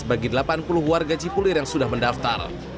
bagi delapan puluh warga cipulir yang sudah mendaftar